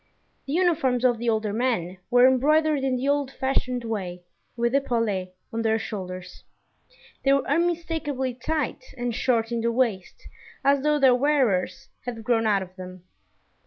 The uniforms of the older men were embroidered in the old fashioned way with epaulets on their shoulders; they were unmistakably tight and short in the waist, as though their wearers had grown out of them.